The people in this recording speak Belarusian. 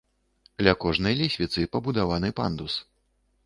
Ля кожнай лесвіцы пабудаваны пандус.